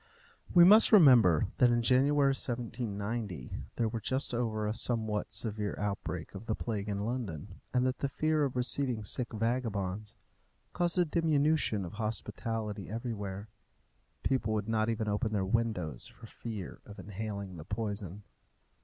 We must remember that in January 1790 they were just over a somewhat severe outbreak of the plague in London, and that the fear of receiving sick vagabonds caused a diminution of hospitality everywhere. People would not even open their windows for fear of inhaling the poison.